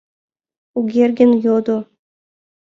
Кугергин йодо: